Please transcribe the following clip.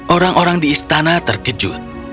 orang orang di istana terkejut